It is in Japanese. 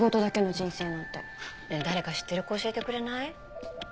ねえ誰か知ってる子教えてくれない？